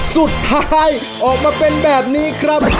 สุดท้ายออกมาเป็นแบบนี้ครับ